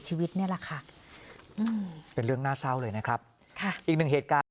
ชีวิตนี่แหละค่ะอืมเป็นเรื่องน่าเศร้าเลยนะครับค่ะอีกหนึ่งเหตุการณ์